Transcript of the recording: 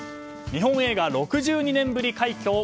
日本映画６２年ぶり快挙